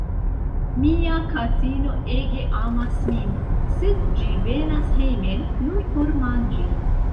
Mia katino ege amas min, sed ĝi venas hejmen nur por manĝi.